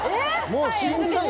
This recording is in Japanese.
もう審査員？